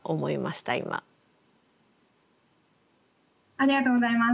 ありがとうございます。